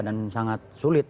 dan sangat sulit